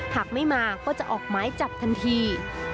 หากไม่มาก็จะออกหมายจับทันที